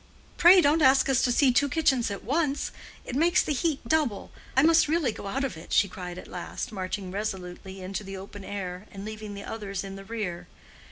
"Pray don't ask us to see two kitchens at once. It makes the heat double. I must really go out of it," she cried at last, marching resolutely into the open air, and leaving the others in the rear.